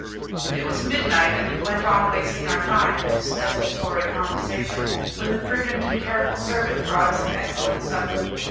It was midnight, and we went on wasting our time in this desultory conversation, when the prudent and careful servant brought us an excellent supper.